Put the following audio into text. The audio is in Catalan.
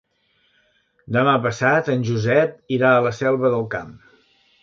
Demà passat en Josep irà a la Selva del Camp.